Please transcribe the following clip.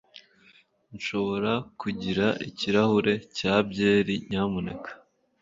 Nshobora kugira ikirahure cya byeri, nyamuneka.